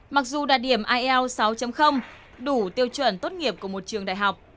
mặc dù đạt điểm ielts sáu đủ tiêu chuẩn tốt nghiệp của một trường đại học